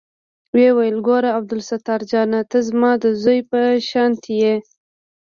ويې ويل ګوره عبدالستار جانه ته زما د زوى په شانتې يې.